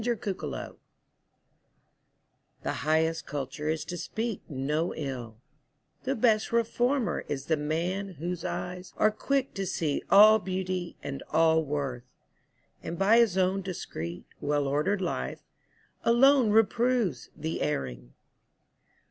TRUE CULTURE The highest culture is to speak no ill, The best reformer is the man whose eyes Are quick to see all beauty and all worth; And by his own discreet, well ordered life, Alone reproves the erring.